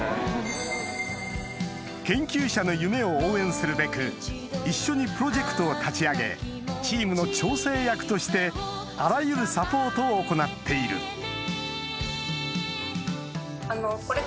するべく一緒にプロジェクトを立ち上げチームの調整役としてあらゆるサポートを行っているすごいなぁ。